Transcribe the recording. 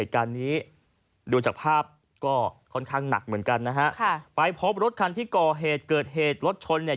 กรูภัยสวั่งนาวัฒนภนม